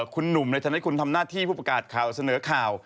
คุณหนุ่มในทางที่คุณทำหน้าที่ผู้ประกาศเสนอข่าว